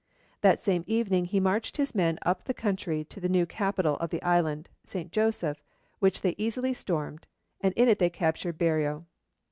That same evening he marched his men up the country to the new capital of the island, St. Joseph, which they easily stormed, and in it they captured Berreo.